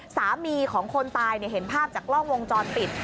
สามีของคนตายเห็นภาพจากกล้องวงจรปิด